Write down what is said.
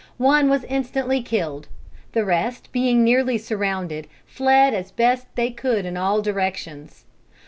One was instantly killed. The rest being nearly surrounded, fled as best they could in all directions.